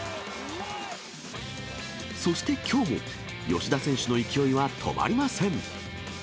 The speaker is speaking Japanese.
そしてきょうも、吉田選手の勢いは止まりません。